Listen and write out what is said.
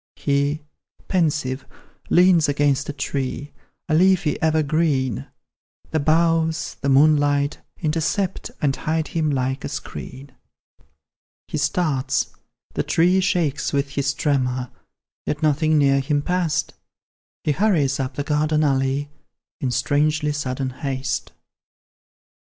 He, pensive, leans against a tree, A leafy evergreen, The boughs, the moonlight, intercept, And hide him like a screen He starts the tree shakes with his tremor, Yet nothing near him pass'd; He hurries up the garden alley, In strangely sudden haste.